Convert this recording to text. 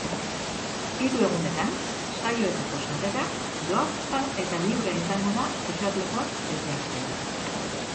Hiru egunetan saioetako sarrera doakoa eta librea izango da eserlekuak bete arte.